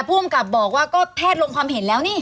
ภูมิกับบอกว่าก็แพทย์ลงความเห็นแล้วนี่